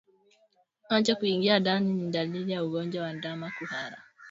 Macho kuingia ndani ni dalili ya ugonjwa wa ndama kuhara